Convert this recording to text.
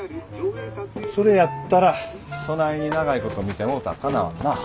それやったらそないに長いこと見てもろたらかなわんな。